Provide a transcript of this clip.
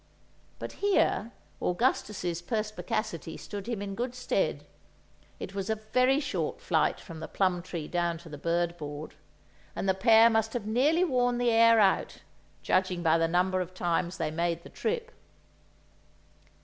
But here Augustus's perspicacity stood him in good stead; it was a very short flight from the plum tree down to the bird board, and the pair must have nearly worn the air out, judging by the number of times they made the trip!